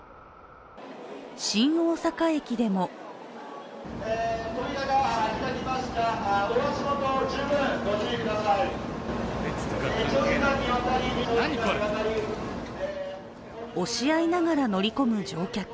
新大阪駅でも押し合いながら乗り込む乗客。